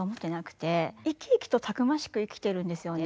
生き生きとたくましく生きてるんですよね。